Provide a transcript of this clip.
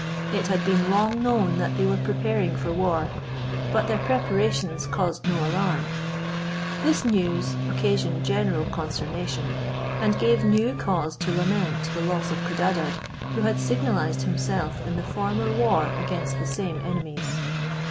It had been long known that they were preparing for war, but their preparations caused no alarm. This news occasioned general consternation, and gave new cause to lament the loss of Codadad, who had signalized himself in the former war against the same enemies.